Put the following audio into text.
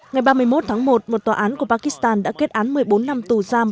ngày ba mươi một tháng một một tòa án của pakistan đã kết án một mươi bốn năm tù giam